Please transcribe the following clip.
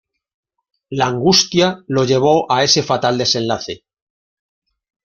La angustia lo llevó a a ese fatal desenlace.